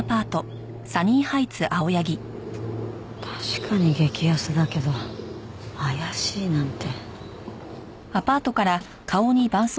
確かに激安だけど怪しいなんて。